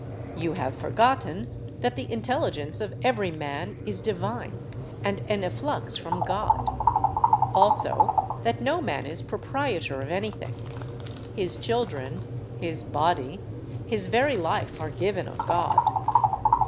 You have forgotten that the intelligence of every man is divine, and an efflux from God; also that no man is proprietor of anything: his children, his body, his very life are given of God.